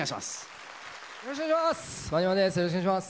よろしくお願いします。